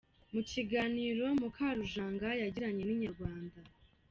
Mu kiganiro Mukarujanga yagiranye na Inyarwanda.